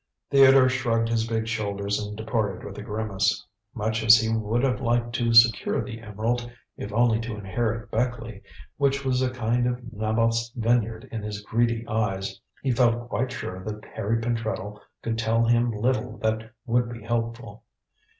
Theodore shrugged his big shoulders and departed with a grimace. Much as he would have liked to secure the emerald, if only to inherit Beckleigh, which was a kind of Naboth's vineyard in his greedy eyes, he felt quite sure that Harry Pentreddle could tell him little that would be helpful.